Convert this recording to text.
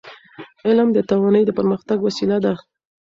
علم د ټولنې د پرمختګ وسیله ده.